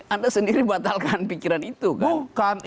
anda sendiri batalkan pikiran itu